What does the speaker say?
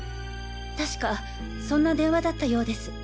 確かそんな電話だったようです。